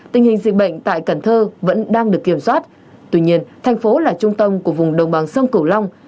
tình hình dịch bệnh tại cần thơ vẫn đang được kiểm soát tuy nhiên thành phố là trung tâm của vùng đồng bằng sông cửu long